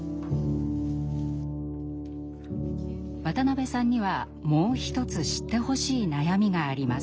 渡辺さんにはもう一つ知ってほしい悩みがあります。